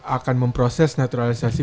akan memproses naturalisasi